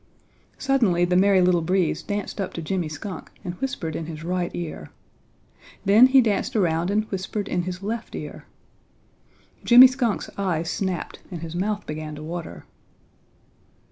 Suddenly the Merry Little Breeze danced up to Jimmy Skunk and whispered in his right ear. Then he danced around and whispered in his left ear. Jimmy Skunk's eyes snapped and his mouth began to water.